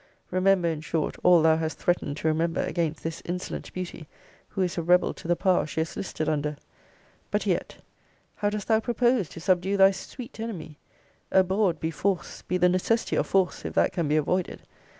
Remember, in short, all thou hast threatened to remember against this insolent beauty, who is a rebel to the power she has listed under. But yet, how dost thou propose to subdue thy sweet enemy! Abhorred be force, be the necessity of force, if that can be avoided!